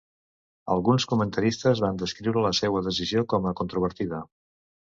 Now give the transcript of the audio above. Alguns comentaristes van descriure la seva decisió com a controvertida.